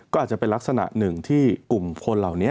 ก็อาจจะเป็นลักษณะหนึ่งที่กลุ่มคนเหล่านี้